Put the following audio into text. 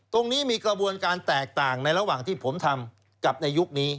ตรงนี้มีกระบวนการแตกต่างในระหว่างที่ผมทำกับในยุคนี้